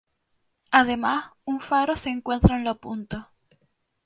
Además un faro se encuentra en la punta.